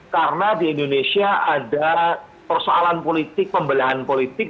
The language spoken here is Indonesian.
karena di indonesia ada persoalan politik pembelahan politik